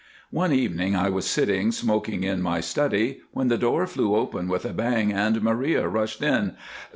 "One evening I was sitting smoking in my study, when the door flew open with a bang and Maria rushed in.